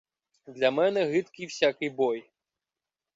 Для мене гидкий всякий бой.